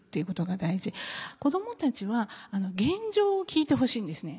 子どもたちは現状を聞いてほしいんですね。